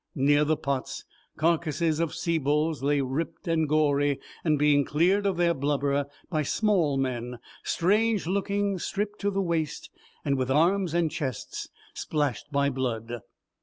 Near the pots carcases of sea bulls lay ripped and gory and being cleared of their blubber by small men, strange looking, stripped to the waist and with arms and chests splashed by blood.